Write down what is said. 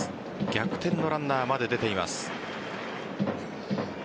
逆転のランナーまで出ています。